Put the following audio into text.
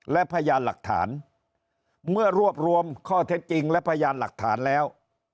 และพยานหลักฐานเมื่อรวบรวมข้อเท็จจริงและพยานหลักฐานแล้ว